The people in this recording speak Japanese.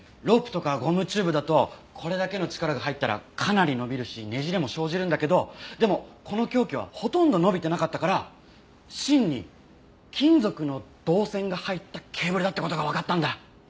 ロープとかゴムチューブだとこれだけの力が入ったらかなり伸びるしねじれも生じるんだけどでもこの凶器はほとんど伸びてなかったから芯に金属の導線が入ったケーブルだって事がわかったんだ。